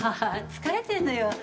疲れてるのよ。